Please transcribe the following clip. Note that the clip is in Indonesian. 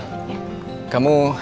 nanti aku pindah